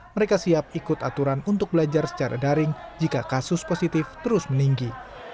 mereka siap ikut aturan untuk belajar secara daring jika kasus positif terus meninggi